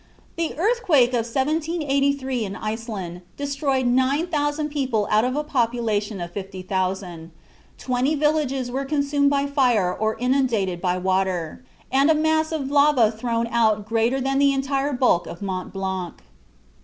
The earthquake of 1783 in Iceland destroyed 9000 people out of a population of 50,000; twenty villages were consumed by fire or inundated by water, and a mass of lava thrown out "greater than the entire bulk of Mont Blanc."